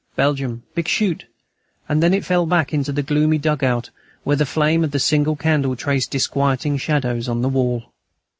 Belgium, Bixschoote; and then it fell back into the gloomy dug out where the flame of the single candle traced disquieting shadows on the wall.